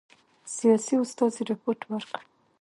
سیاسي استازي رپوټ ورکړ.